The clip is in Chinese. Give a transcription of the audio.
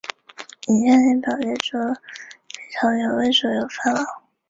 第二幕的男孩告诉弗拉第米尔昨天来的男孩不是他。